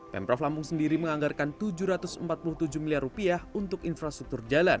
pemprov lampung sendiri menganggarkan rp tujuh ratus empat puluh tujuh miliar rupiah untuk infrastruktur jalan